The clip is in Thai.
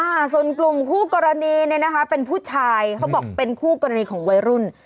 อ่าส่วนกลุ่มคู่กรณีเนี่ยนะคะเป็นผู้ชายเขาบอกเป็นคู่กรณีของวัยรุ่น